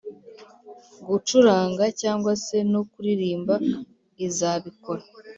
gucuranga cyangwa se no kuririmba. izabikora